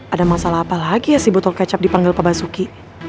ada masalah apa lagi ya si botol kecap dipanggil pak basuki